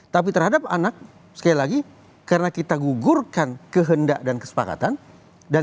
tapi terhadap anak sekali lagi karena kita gugurkan kehendak dan kesepakatan dan